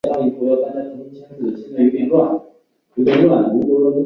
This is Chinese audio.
白洋淀足球场与杨浦区青少年业余体育学校足球分校合署。